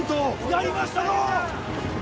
やりましたのう！